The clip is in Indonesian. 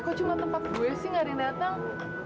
kok cuma tempat gue sih gak ada yang datang